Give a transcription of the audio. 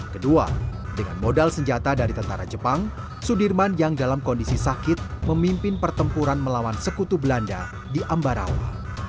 kedua dengan modal senjata dari tentara jepang sudirman yang dalam kondisi sakit memimpin pertempuran melawan sekutu belanda di ambarawa